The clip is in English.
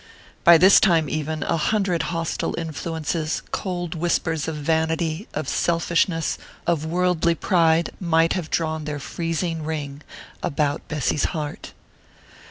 By this time, even, a hundred hostile influences, cold whispers of vanity, of selfishness, of worldly pride, might have drawn their freezing ring about Bessy's heart....